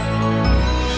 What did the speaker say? ini mah yang bener kok